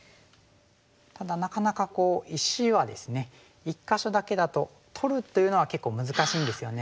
ただなかなか石はですね１か所だけだと取るというのは結構難しいんですよね。